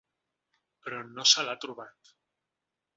Però no se l’ha trobat.